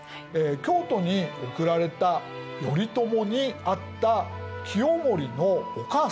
京都に送られた頼朝に会った清盛のお母さん